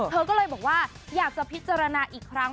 เธอก็เลยบอกว่าอยากจะพิจารณาอีกครั้ง